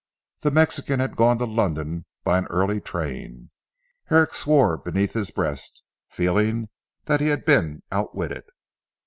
The Mexican had gone to London by an early train. Herrick swore beneath his breath, feeling that he had been outwitted.